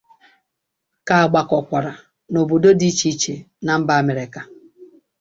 ka gbakọkwara n’obodo dị iche iche na mba Amerịka.